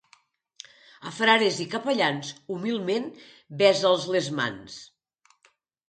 A frares i capellans, humilment besa'ls les mans.